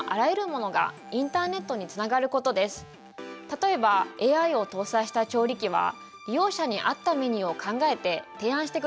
例えばＡＩを搭載した調理器は利用者に合ったメニューを考えて提案してくれます。